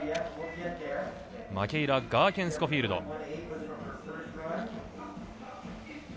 マケイラ・ガーケンスコフィールド。